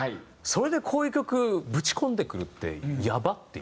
それでこういう曲ぶち込んでくるって「やばっ！」っていう。